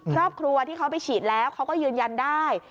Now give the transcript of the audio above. ครอบครัวที่เขาไปฉีดแล้วเขาก็ยืนยันได้